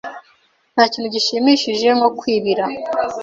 Ntakintu gishimishije nko kwibira.